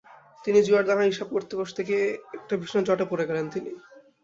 কিন্তু জুয়ার দানের হিসাব কষতে গিয়ে একটা ভীষণ জটে পড়ে গেলেন তিনি।